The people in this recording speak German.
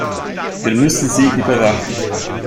Wir müssen sie überwachen.